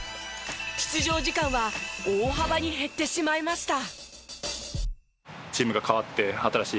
出場時間は大幅に減ってしまいました。